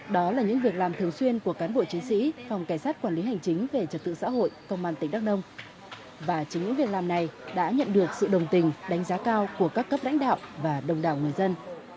đó là những việc làm thường xuyên của cán bộ chiến sĩ phòng cảnh sát quản lý hành chính về trật tự xã hội công an tỉnh đắk nông và chính những việc làm này đã nhận được sự đồng tình đánh giá cao của các cấp lãnh đạo và đồng đảo người dân